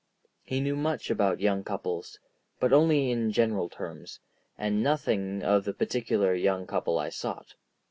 He knew much about young couples, but only in general terms, and nothing of the particular young couple I sought.